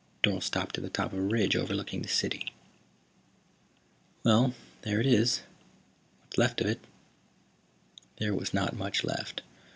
Dorle stopped at the top of a ridge overlooking the city. "Well, there it is. What's left of it." There was not much left.